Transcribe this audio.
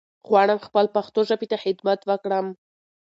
غواړم خپل پښتو ژبې ته خدمت وکړم